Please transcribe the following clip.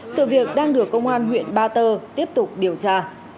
sự việc đang được công an huyện ba tơ tiếp tục điều tra